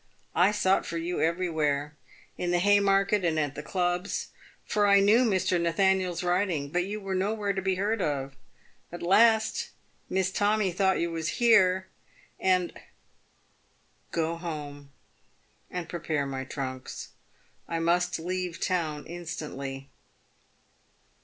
" I sought for you every where— in the Hay market and at the clubs — for I knew Mr. Nathaniel's writing ; but you were nowhere to be heard of. At last Miss Tommy thought you was here, and "" Go home and prepare my trunks. I must leave town instantly."